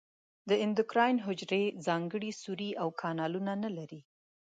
د اندوکراین حجرې ځانګړي سوري او کانالونه نه لري.